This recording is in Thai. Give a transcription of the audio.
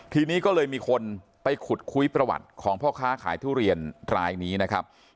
ทีนี้ก็เลยมีคนไปขุดคุยประวัติของพ่อค้าขายทุเรียนรายนี้นะครับ